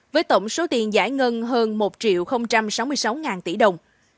với tổng số tiền giải ngân hơn một sáu mươi sáu tỷ đồng